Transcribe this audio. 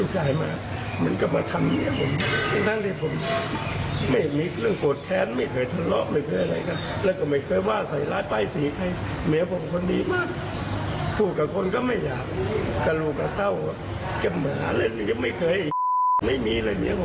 รู้จักกันธรรมดารับบุรุทธิ์ตั้ง๒เดือนกว่ากับ๓เดือนแล้วถ้ารู้จักกันแบบว่าผ่านไปไปไหนอะไรแบบนี้